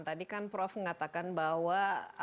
tadi kan prof mengatakan bahwa